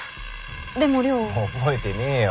でも稜」覚えてねえよ